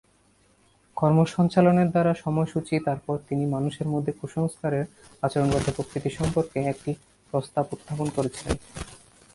কর্ম সঞ্চালনের দ্বারা সময়সূচী তারপর তিনি মানুষের মধ্যে কুসংস্কারের আচরণগত প্রকৃতি সম্পর্কে একটি প্রস্তাব উত্থাপন করেছিলেন।